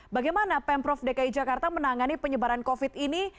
bagaimana pemprov dki jakarta menangani penyebaran covid ini